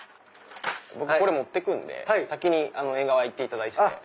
僕これ持ってくんで先に縁側行っていただいてて。